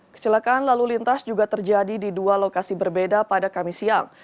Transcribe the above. kecelakaan lalu lintas juga terjadi di dua lokasi berbeda pada kamis siang